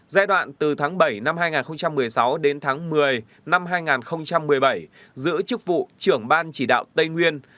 giai đoạn từ tháng bảy năm hai nghìn một mươi sáu đến tháng một mươi năm hai nghìn một mươi bảy giữ chức vụ trưởng ban chỉ đạo tây nguyên